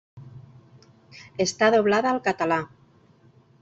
Està doblada al català.